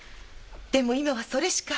でも今はそれしか。